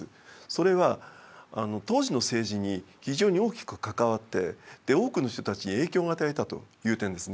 それは当時の政治に非常に大きく関わって多くの人たちに影響を与えたという点ですね。